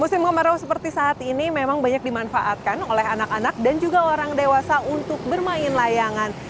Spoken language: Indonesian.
musim kemarau seperti saat ini memang banyak dimanfaatkan oleh anak anak dan juga orang dewasa untuk bermain layangan